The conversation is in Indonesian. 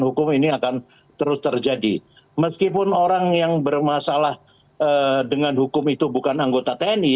hukum ini akan terus terjadi meskipun orang yang bermasalah dengan hukum itu bukan anggota tni